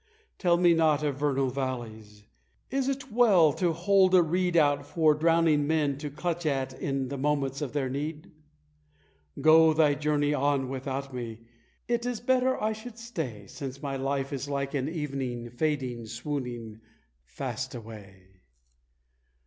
Tell me not of vernal valleys! Is it well to hold a reed Out for drowning men to clutch at in the moments of their need? Go thy journey on without me; it is better I should stay, Since my life is like an evening, fading, swooning fast away!